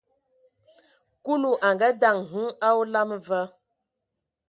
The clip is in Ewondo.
Kulu a ngaandǝŋ hm a olam va,